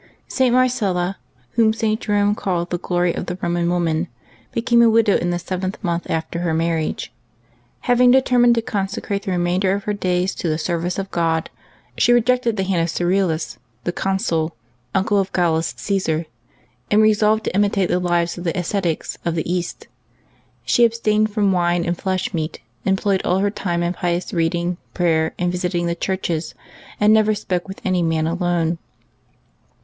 [t. Marcella, whom St. Jerome called the glory of the Eoman women, became a widow in the seventh month after her marriage. Having determined to conse crate the remainder of her days to the service of God, she rejected the hand of Cerealis, the consul, uncle of Gallus CaBsar, and resolved to imitate the lives of the ascetics of the East. She abstained from wine and flesh meat, em ployed all her time in pious reading, prayer, and visiting the churches, and never spoke with any man alone.